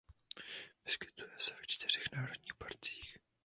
Vyskytuje se ve čtyřech národních parcích.